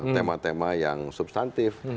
tema tema yang substantif